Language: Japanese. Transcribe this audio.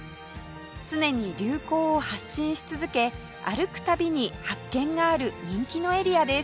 常に流行を発信し続け歩く度に発見がある人気のエリアです